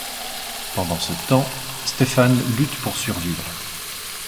Pendant ce temps, Stefan lutte pour survivre.